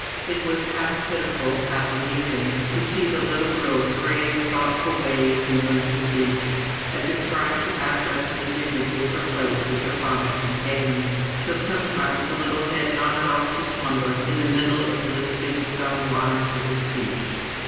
It was half pitiful, half amusing, to see the little girl's grave, thoughtful ways and modes of speech, as if trying to act up to the dignity of her place as her father's companion, till sometimes the little head nodded off to slumber in the middle of lisping some wise little speech.